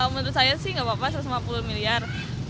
menurut saya sih nggak apa apa satu ratus lima puluh miliar